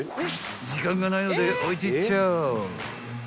［時間がないので置いてっちゃう］